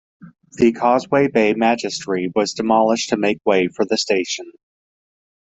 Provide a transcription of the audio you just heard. The Causeway Bay Magistracy was demolished to make way for the station.